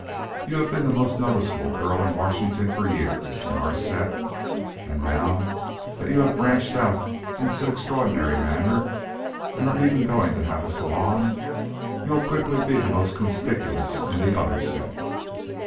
You have been the most noticeable girl in Washington for years in our set and now that you have branched out in this extraordinary manner and are even going to have a salon, you'll quickly be the most conspicuous in the other set.